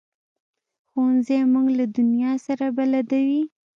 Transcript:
ښوونځی موږ له دنیا سره بلدوي